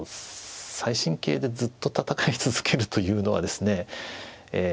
最新形でずっと戦い続けるというのはですね